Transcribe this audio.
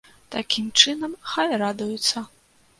Такім чынам, хай радуюцца.